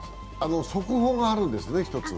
速報があるんですね、１つ。